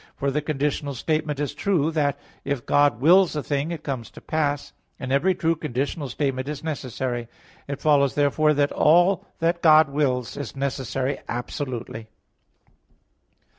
For the conditional statement is true that if God wills a thing, it comes to pass; and every true conditional statement is necessary. It follows therefore that all that God wills is necessary absolutely.